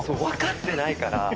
分かってないから。